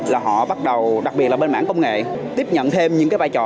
là họ bắt đầu đặc biệt là bên mảng công nghệ tiếp nhận thêm những cái vai trò